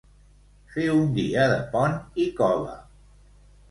Fer un dia de pont i cova.